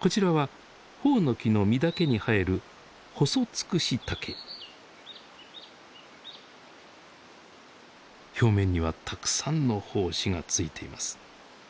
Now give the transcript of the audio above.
こちらはホオノキの実だけに生える表面にはたくさんの胞子がついています。